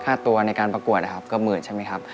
ค่าตัวในการประกวดนะครับก็หมื่นใช่ไหมครับ